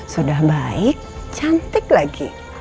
sudah baik cantik lagi